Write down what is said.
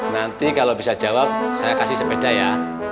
nanti kalau bisa jawab saya kasih sepeda ya